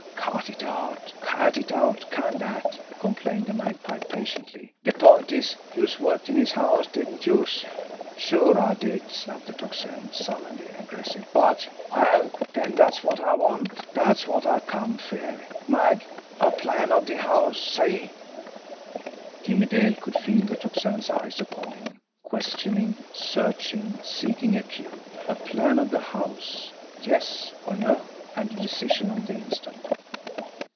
"Cut it out! Cut it out! Can dat!" complained the Magpie patiently. "De point is, youse worked in his house, didn't youse?" "Sure I did!" snapped the Tocsin, sullenly aggressive; "but " "Well, den, dat's wot I want, dat's wot I come fer, Mag a plan of de house. See?" Jimmie Dale could feel the Tocsin's eyes upon him, questioning, searching, seeking a cue. A plan of the house yes or no? And a decision on the instant!